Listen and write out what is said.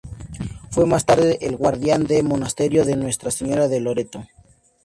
Fue más tarde el guardián del monasterio de Nuestra Señora de Loreto.